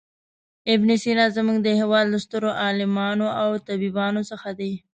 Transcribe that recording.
ابن سینا زموږ د هېواد له سترو عالمانو او طبیبانو څخه دی.